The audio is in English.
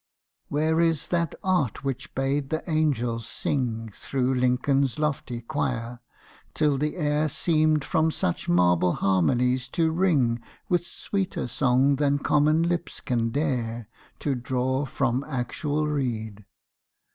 Where is that Art which bade the Angels sing Through Lincoln's lofty choir, till the air Seems from such marble harmonies to ring With sweeter song than common lips can dare To draw from actual reed?